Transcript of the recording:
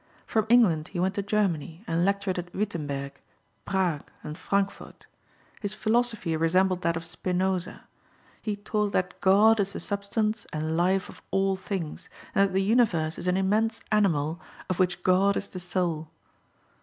From England he went to Germany, and lectured at Wittenberg, Prague, and Frankfort. His philosophy resembled that of Spinosa. He taught that God is the substance and life of all things, and that the universe is an immense animal, of which God is the soul.